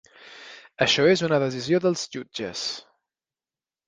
Això és una decisió dels jutges.